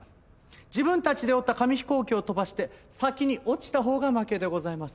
自分たちで折った紙飛行機を飛ばして先に落ちたほうが負けでございます。